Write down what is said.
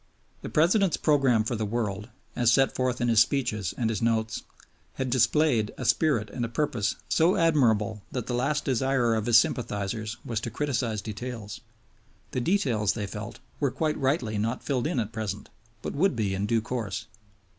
The President's program for the World, as set forth in his speeches and his Notes, had displayed a spirit and a purpose so admirable that the last desire of his sympathizers was to criticize details, the details, they felt, were quite rightly not filled in at present, but would be in due course.